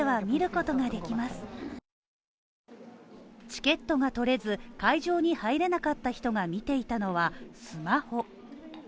チケットが取れず、会場に入れなかった人が見ていたのは、スマホ。